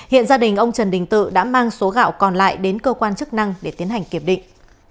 hiện gia đình ông trần đình tự đã mang số gạo còn lại đến cơ quan chức năng để tiến hành kiểm định